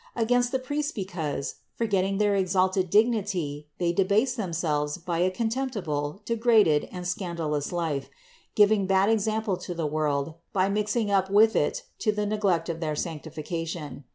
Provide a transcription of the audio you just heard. Against the priests because, forgetting their exalted dig nity, they debase themselves by a contemptible, degraded and scandalous life, giving bad example to the world by mixing up with it to the neglect of their sanctification.